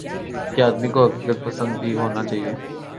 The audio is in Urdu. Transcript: کہ آدمی کو حقیقت پسند بھی ہونا چاہیے۔